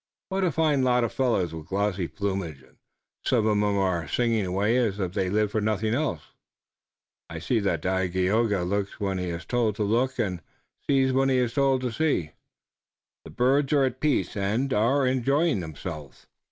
What a fine lot of fellows with glossy plumage! And some of 'em are singing away as if they lived for nothing else!" "I see that Dagaeoga looks when he is told to look and sees when he is told to see. The birds are at peace and are enjoying themselves."